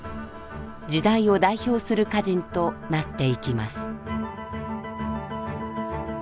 時代を代表する歌人となっていきます。